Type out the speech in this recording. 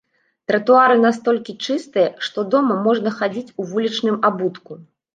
Тратуары настолькі чыстыя, што дома можна хадзіць у вулічным абутку.